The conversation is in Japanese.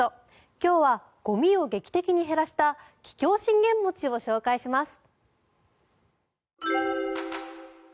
今日はゴミを劇的に減らした桔梗信玄餅を紹介します。